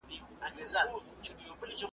د اولس برخه .